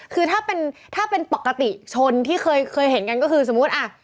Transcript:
คือถ้าเป็นถ้าเป็นปกติชนที่เคยเคยเห็นกันก็คือสมมุติอ่ะ